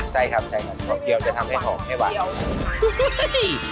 ใช่ขอบเจียวจะทำได้หอมให้หวาน